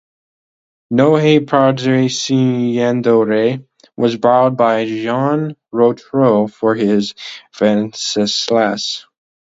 "No hay padre siendo rey" was borrowed by Jean Rotrou for his "Venceslas".